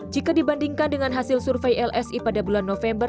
jika dibandingkan dengan hasil survei lsi pada bulan november